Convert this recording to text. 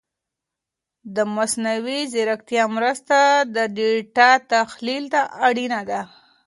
د مصنوعي ځیرکتیا مرسته د ډېټا تحلیل ته اړینه ده.